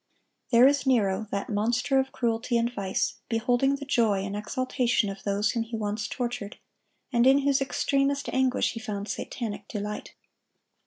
There is Nero, that monster of cruelty and vice, beholding the joy and exaltation of those whom he once tortured, and in whose extremest anguish he found satanic delight.